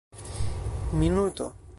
minuto